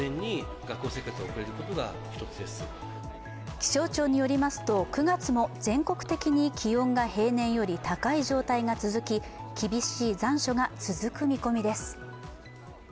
気象庁によりますと９月も全国的に気温が平年より高い状態が続き厳しい残暑が続く見込みです。